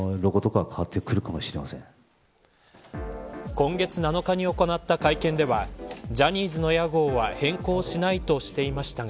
今月７日に行った会見ではジャニーズの屋号は変更しないとしていましたが